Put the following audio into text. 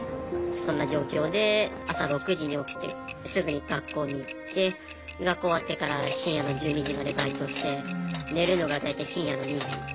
そんな状況で朝６時に起きてすぐに学校に行って学校終わってから深夜の１２時までバイトして寝るのが大体深夜の２時。